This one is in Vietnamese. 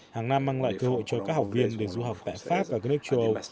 hàng năm mang lại cơ hội cho các học viên để du học tại pháp và các nước châu âu